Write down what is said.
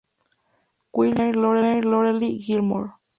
Will you be my Lorelai Gilmore?